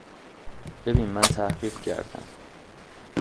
ببیین من تحقیق کردم